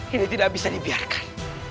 ini tidak bisa dibiarkan